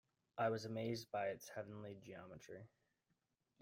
I was amazed by its heavenly geometry.